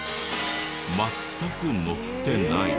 全く載ってない。